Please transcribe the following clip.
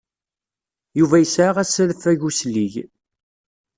Yuba yesɛa asafag uslig.